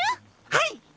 はい！